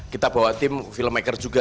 kita bawa tim filmmaker juga